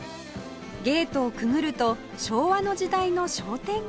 ゲートをくぐると昭和の時代の商店街が